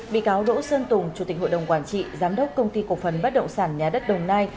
bị cáo đỗ xuân tùng chủ tịch hội đồng quản trị giám đốc công ty cổ phần bất động sản nhà đất đồng nai